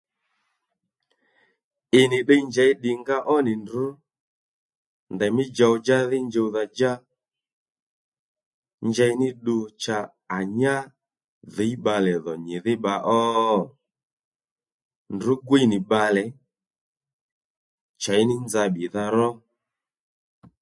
I nì ddiy njěy ddìnga ó nì ndrǔ ndèymí djow-djá dhí njuwdha-djá njey ní ddu cha à nyá dhǐy bbalè dhò nyìdhí bba ó? Ndrǔ gwiy nì bbalè chěy ní nza bbìdha ró